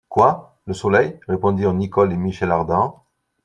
Quoi! le Soleil ! répondirent Nicholl et Michel Ardan.